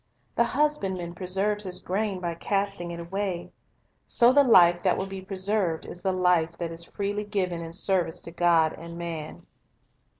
The husbandman preserves his grain by casting it away. So the life that will be preserved is the life that is freely ijiven in service to God and man.